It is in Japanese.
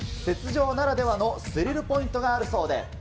雪上ならではのスリルポイントがあるそうで。